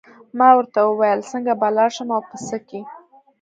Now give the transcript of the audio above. ما ورته وویل څنګه به لاړ شم او په څه کې.